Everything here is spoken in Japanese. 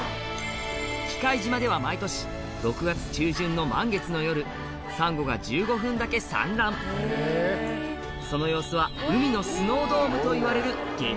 喜界島では毎年６月中旬の満月の夜サンゴが１５分だけ産卵その様子はといわれる激